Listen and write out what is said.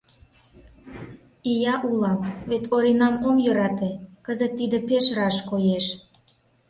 «Ия улам, вет Оринам ом йӧрате, кызыт тиде пеш раш коеш.